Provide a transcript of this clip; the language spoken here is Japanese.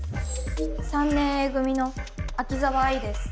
３年Ａ組の秋沢愛です。